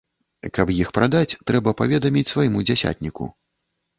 Каб іх прадаць, трэба паведаміць свайму дзясятніку.